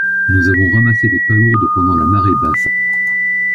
Nous avons ramassé des palourdes pendant la marée basse.